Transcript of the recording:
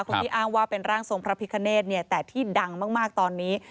คนที่อ้างว่าเป็นร่างทรงพระพิคเนธเนี่ยแต่ที่ดังมากตอนนี้